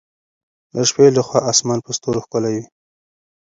د شپې له خوا اسمان په ستورو ښکلی وي.